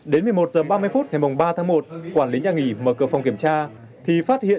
đến một mươi một h ba mươi phút ngày ba tháng một quản lý nhà nghỉ mở cửa phòng kiểm tra thì phát hiện